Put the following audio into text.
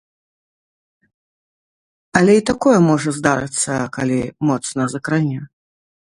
Але і такое можа здарыцца, калі моцна закране.